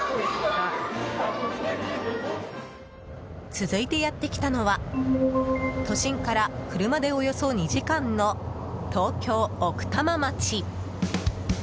続いてやってきたのは都心から車でおよそ２時間の東京・奥多摩町。